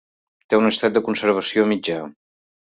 Té un estat de conservació mitjà.